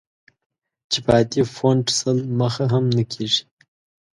چې په عادي فونټ سل مخه هم نه کېږي.